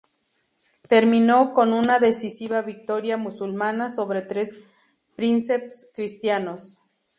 Terminó con una decisiva victoria musulmana sobre tres "princeps" cristianos.